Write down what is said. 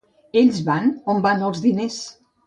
Ells van on van els diners.